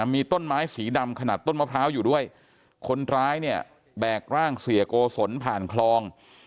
มีต้นไม้สีดำขนาดต้นมะพร้าวอยู่ด้วยคนร้ายเนี่ยแบกร่างเสียโกศลผ่านคลอง